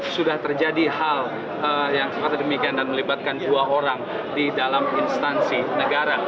sudah terjadi hal yang seperti demikian dan melibatkan dua orang di dalam instansi negara